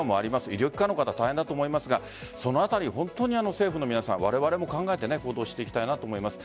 医療機関の方大変だと思いますがそのあたり、ほんとに政府の皆さん、われわれも考えて行動していきたいなと思います。